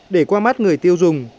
để qua mắt người tiêu dùng